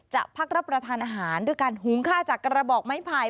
พักรับประทานอาหารด้วยการหุงข้าวจากกระบอกไม้ไผ่